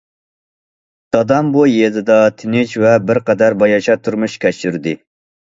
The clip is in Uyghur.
دادام بۇ يېزىدا تىنچ ۋە بىر قەدەر باياشات تۇرمۇش كەچۈردى.